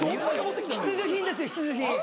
必需品です必需品。